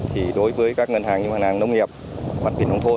thì đối với các ngân hàng như ngân hàng nông nghiệp quản viện nông thôn